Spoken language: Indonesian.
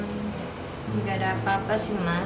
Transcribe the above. tidak ada apa apa sih mas